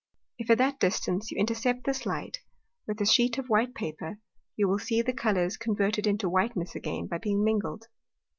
If at that distance you intercept this Light with a Sheet of white Paper, you will see the Colours converted into whiteness again by being mingled.